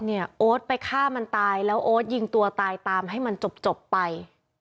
โอ๊ตไปฆ่ามันตายแล้วโอ๊ตยิงตัวตายตามให้มันจบไป